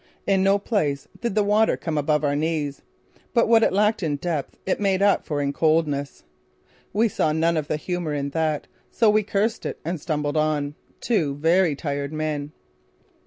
In no place did the water come above our knees; but what it lacked in depth, it made up for in coldness. We saw none of the humour in that, so we cursed it and stumbled on, two very tired men.